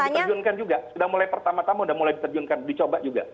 sudah diterjunkan juga sudah mulai pertama tama sudah mulai diterjunkan dicoba juga